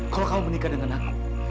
kalau kamu menikah dengan aku